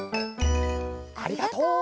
ありがとう！